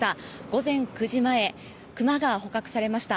午前９時前クマが捕獲されました。